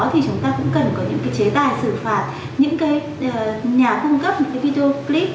thì chúng ta cũng cần có những cái chế tài xử phạt những cái nhà cung cấp những cái video clip